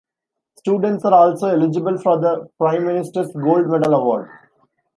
Students are also eligible for the Prime Minister's Gold Medal award.